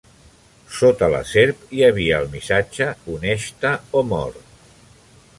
Sota la serp hi havia el missatge "Uneix-te o mor".